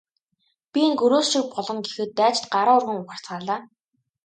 Би энэ гөрөөс шиг болгоно гэхэд дайчид гараа өргөн ухарцгаалаа.